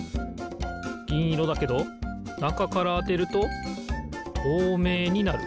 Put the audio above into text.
ぎんいろだけどなかからあてるととうめいになる。